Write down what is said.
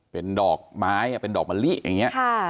เป็นดอกไม้เป็นดอกมะลิอย่างนี้